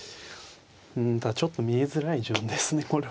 うんただちょっと見えづらい順ですねこれは。